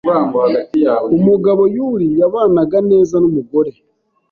Umugabo Yuli yabanaga neza n'umugore